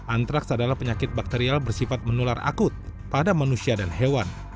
antraks adalah penyakit bakterial bersifat menular akut pada manusia dan hewan